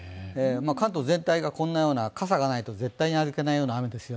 関東全体がこんなような傘がないと絶対に歩けないような天気です。